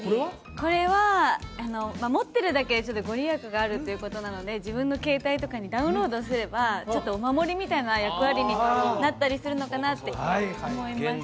これはまあ持ってるだけで御利益があるということなので自分の携帯とかにダウンロードすればちょっとお守りみたいな役割になったりするのかなって思いました